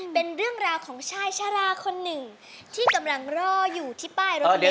เป็นเรื่องราวของชายชะลาคนหนึ่งที่กำลังรออยู่ที่ป้ายรถเม